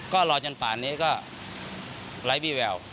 ก็รอจนป่านนี้ก็ไร้วี่แวว